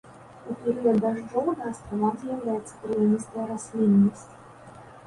У перыяд дажджоў на астравах з'яўляецца травяністая расліннасць.